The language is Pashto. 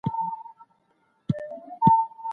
دولت د سياسي ځواک د کارولو قانوني حق لري.